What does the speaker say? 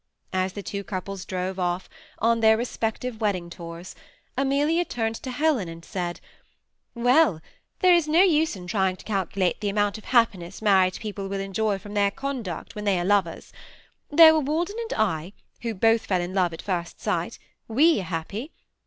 As the two couples drove off on their respective wedding tours, Amelia turned to Helen and said, ^Well, there is no use in tiying to calculate the amount of happiness married people will enjoy from their conduct when they are lovers. There were Walden and I, who both fell in love at first sight, we are happy.